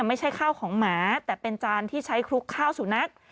ไม่ใช่ข้าวของหมาแต่เป็นจานที่ใช้คลุกข้าวสุนัข